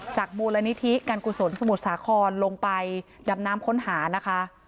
มูลนิธิการกุศลสมุทรสาครลงไปดำน้ำค้นหานะคะ